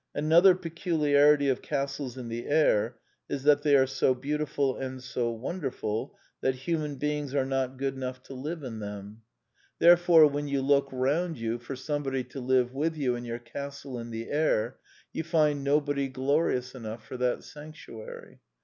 Another peculi arity of castles in the air is that they are so beauti ful and so wonderful that human beings are not good enough to live in them : therefore when you The Last Four Plays 139 look round you for somebody to live with you in your castle in the air, you find nobody glorioud enough for that sanctuary.